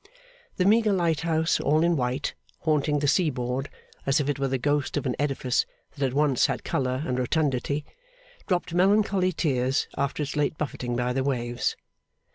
The meagre lighthouse all in white, haunting the seaboard as if it were the ghost of an edifice that had once had colour and rotundity, dropped melancholy tears after its late buffeting by the waves.